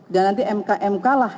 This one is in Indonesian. dan nanti mkmk lah